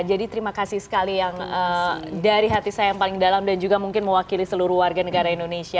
jadi terima kasih sekali yang dari hati saya yang paling dalam dan juga mungkin mewakili seluruh warga negara indonesia